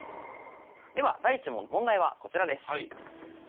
では第１問問題はこちらです。